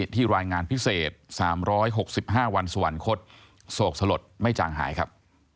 รายงานพิเศษ๓๖๕วันสวรรคตโศกสลดไม่จางหายครับ